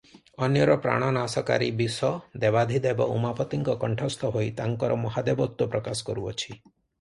ଅନ୍ୟର ପ୍ରାଣନାଶକାରି ବିଷ ଦେବାଧିଦେବ ଉମାପତିଙ୍କ କଣ୍ଠସ୍ଥ ହୋଇ ତାଙ୍କର ମହାଦେବତ୍ୱ ପ୍ରକାଶ କରୁଅଛି ।